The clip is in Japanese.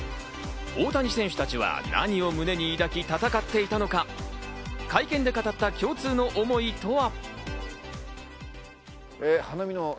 大谷選手たちは何を胸に抱き、戦っていたのか、会見で語った共通の思いとは？